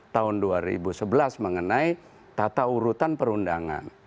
tahun dua ribu sebelas mengenai tata urutan perundangan